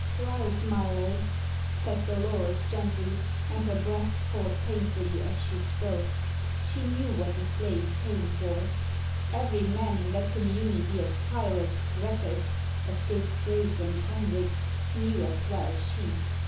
"Rise, Milo," said Dolores, gently, and her breath caught painfully as she spoke. She knew what the slave came for; every man in that community of pirates, wreckers, escaped slaves, and convicts knew as well as she.